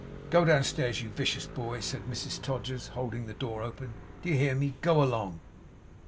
'Go downstairs, you vicious boy,' said Mrs Todgers, holding the door open. 'Do you hear me? Go along!